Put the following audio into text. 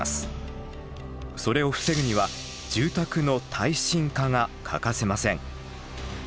それを防ぐには住宅の耐震化が欠かせません。